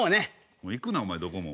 もう行くなお前どこも。